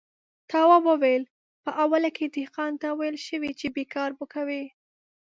تواب وويل: په اوله کې دهقان ته ويل شوي چې بېګار به کوي.